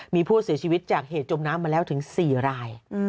มีผู้เสียชีวิตจากเหตุจมน้ำมาแล้วถึง๔ราย